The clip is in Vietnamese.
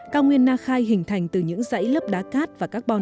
cao nguyên na khai hình thành từ những dãy lớp đá cát và các đất nước